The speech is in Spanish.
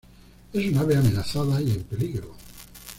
Es un ave amenazada y en peligro.